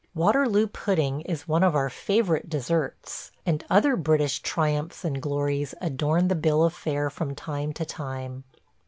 Waterloo pudding is one of our favorite desserts, and other British triumphs and glories adorn the bill of fare from time to time.